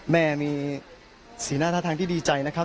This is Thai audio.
แม่มีสีหน้าท่าทางที่ดีใจนะครับ